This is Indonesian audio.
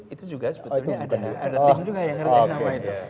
itu juga sebetulnya ada tim juga yang ngerjain nama itu